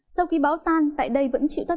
sau khi bão tan tại đây vẫn chịu tác